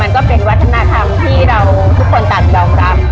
มันก็เป็นวัฒนธรรมที่ทุกคนตัดยอมรับ